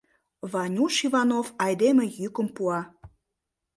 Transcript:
— Ванюш Иванов айдеме йӱкым пуа.